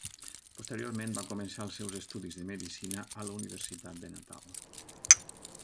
Posteriorment va començar els seus estudis de medicina a la Universitat de Natal.